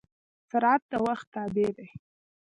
سرعت د وخت تابع دی.